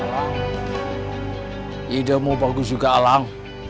alam idemu bagus juga alam